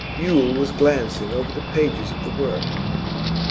Yule was glancing over the pages of the work.